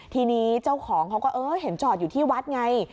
ทีนี้เจ้าของเขาก็เออเห็นจอดอยู่ที่วัดไง